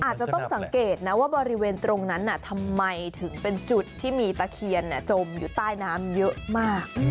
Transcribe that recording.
อาจจะต้องสังเกตนะว่าบริเวณตรงนั้นทำไมถึงเป็นจุดที่มีตะเคียนจมอยู่ใต้น้ำเยอะมาก